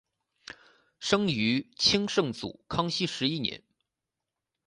生于清圣祖康熙十一年。